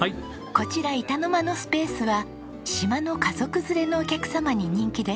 こちら板の間のスペースは島の家族連れのお客様に人気です。